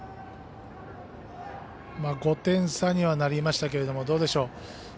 ５点差にはなりましたけどどうでしょう。